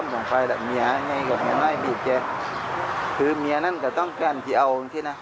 แล้ว